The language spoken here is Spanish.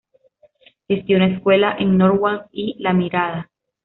Gestiona escuelas en Norwalk y La Mirada.